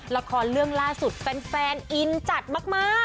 ละครเรื่องล่าสุดแฟนอินจัดมาก